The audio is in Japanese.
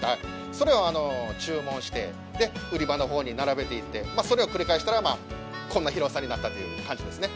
それを注文してで、売り場の方に並べていってそれを繰り返したらこんな広さになったという感じですね。